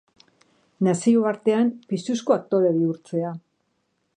Nazioartean pisuzko aktore bihurtzea.